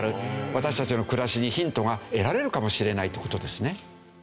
私たちの暮らしにヒントが得られるかもしれないって事ですね。